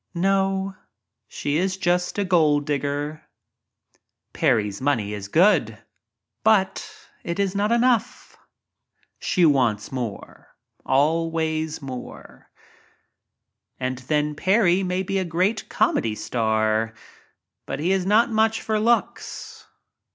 No, she is just a "gold dig ger." Parry's money is good— but it is not enough. She wants more — always more. And then Parry may be a great comedy star but he is not much for looks.